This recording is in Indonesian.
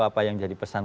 apa yang jadi pesan